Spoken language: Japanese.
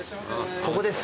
ここです。